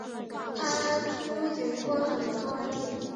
她出演过很多电影。